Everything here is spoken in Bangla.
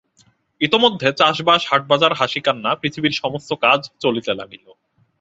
ইতিমধ্যে চাষবাস হাটবাজার হাসিকান্না পৃথিবীর সমস্ত কাজ চলিতে লাগিল।